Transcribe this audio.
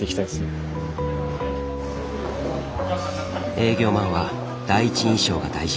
営業マンは第一印象が大事。